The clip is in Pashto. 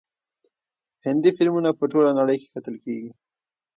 هندي فلمونه په ټوله نړۍ کې کتل کیږي.